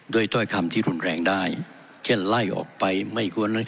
ด้วยต้อยคำที่หลุนแรงได้เช่นไล่ออกไปไม่กลัว